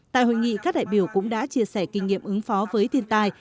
tại hội nghị các đại biểu cũng đã chia sẻ kinh nghiệm ứng phó với thiên tai